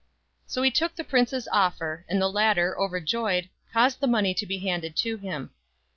So he took the prince's offer, and the latter, overjoyed, caused the money to be handed to him.